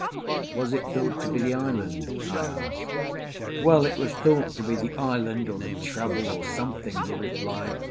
"Was it thought to be the island?" I asked. "Well, it was thought to be the island, or the trouble, or something," he replied.